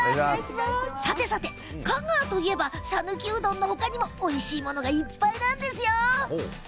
香川といえばさぬきうどんの他にもおいしいものがいっぱいなんですよ。